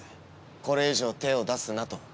これ以上手を出すなと。